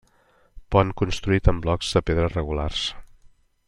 Pont construït en blocs de pedra regulars.